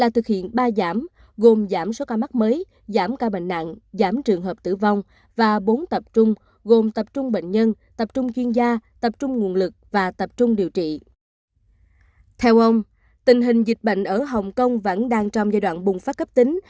theo ông tình hình dịch bệnh ở hồng kông vẫn đang trong giai đoạn bùng phát cấp tính